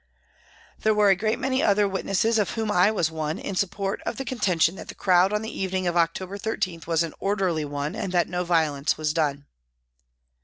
There were a great many other wit nesses, of whom I was one, in support of the con tention that the crowd on the evening of October 13 was an orderly one, and that no violence was done.